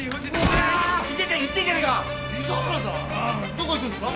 どこ行くんですか？